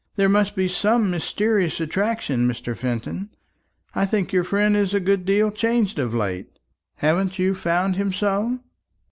There must be some mysterious attraction, Mr. Fenton. I think your friend is a good deal changed of late. Haven't you found him so?"